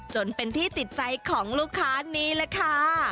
จนเป็นที่ติดใจของลูกค้านี้แหละค่ะ